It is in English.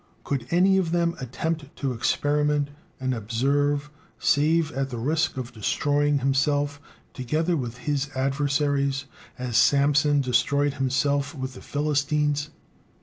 Could any one of them attempt to experiment and observe save at the risk of destroying himself together with his adversaries, as Samson destroyed himself with the Philistines?